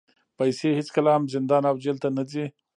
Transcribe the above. پیسې هېڅکله هم زندان او جېل ته نه ځي.